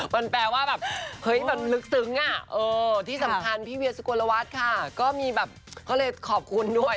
มันแปลว่าแบบเฮ้ยมันลึกซึ้งที่สำคัญพี่เวียสุโกนละวัดค่ะก็มีแบบเขาเลยขอบคุณด้วย